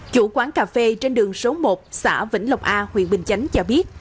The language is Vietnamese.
chủ quán cà phê trên đường số một xã vĩnh lộc a huyện bình chánh cho biết